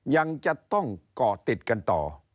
ยังจะต้องเกาะติดกันต่อ